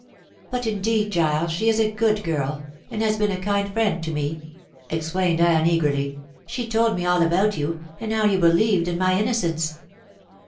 "But indeed, Giles, she is a good girl, and has been a kind friend to me," explained Anne eagerly. "She told me all about you, and how you believed in my innocence."